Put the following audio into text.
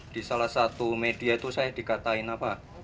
di salah satu media itu saya dikatakan apa